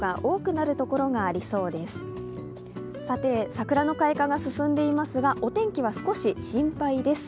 桜の開花が進んでいますがお天気は少し心配です。